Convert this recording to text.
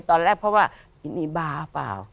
ตอนแรกเพราะว่ากินอีบ้าเปล่า